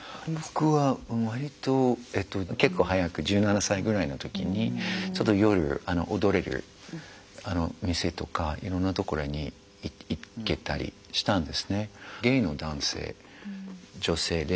僕は割とえっと結構早く１７歳ぐらいの時にちょっと夜踊れる店とかいろんな所に行けたりしたんですね。